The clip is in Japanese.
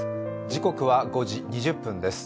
時刻は５時２０分です。